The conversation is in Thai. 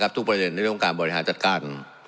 ทุกประเศนและโครงการอบริหารจัดการ